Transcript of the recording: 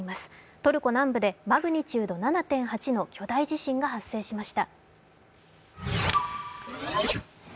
トルコ南部でマグニチュード７．８の巨大地震が発生しました。